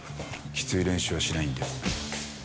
きつい練習はしないんで。